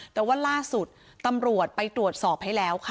แต่ว่าล่าสุดตำรวจไปตรวจสอบให้แล้วค่ะ